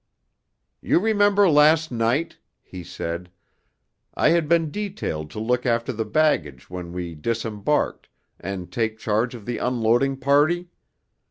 'You remember last night,' he said, 'I had been detailed to look after the baggage when we disembarked, and take charge of the unloading party?